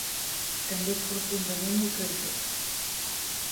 També és profundament ultratjós.